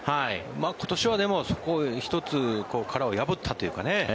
今年はでも、そこを１つ殻を破ったというかね